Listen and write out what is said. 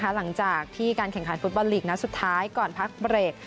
หลังจากที่การแข่งขันฟุตบอลลีกนัดสุดท้ายก่อนพักเบรก